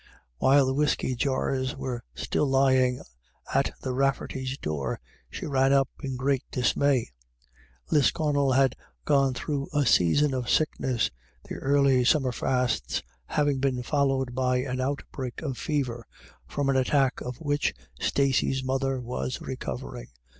While the whiskey jars were still lying at the RafTertys* door, she ran up in great dismay. Lisconnel had gone through a season of sickness, the early summer fasts having been followed by an outbreak of fever, from an attack of which Stacey s mother was recovering.